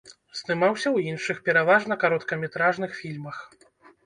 Здымаўся ў іншых, пераважна, кароткаметражных фільмах.